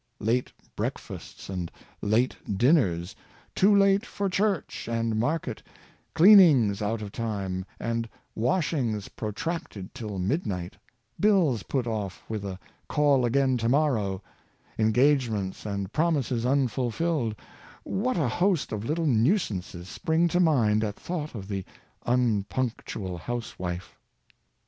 Late breakfasts and late dinners, '' too 22 Management of Temper, late " for church and market, " cleanings " out of time, and " washings " protracted till midnight, bills put off with a *' call again to morrow," engagements and prom ises unfulfilled — what a host of little nuisances spring to mind at thought of the unpunctual housewife.